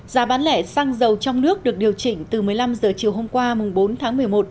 giá bán lẻ xăng dầu trong nước được điều chỉnh từ một mươi năm h chiều hôm qua bốn tháng một mươi một